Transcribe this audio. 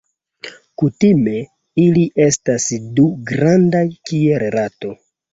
Kutime ili estas du, grandaj kiel rato.